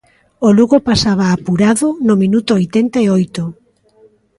O Lugo pasaba, apurado, no minuto oitenta e oito.